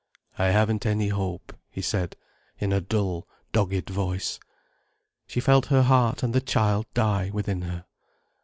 "I haven't any hope," he said, in a dull, dogged voice. She felt her heart and the child die within her.